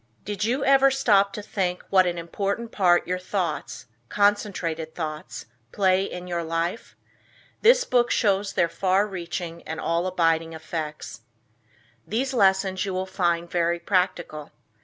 Did you ever stop to think what an important part your thoughts, concentrated thoughts, play in your life? This book shows their far reaching and all abiding effects. These lessons you will find very practical.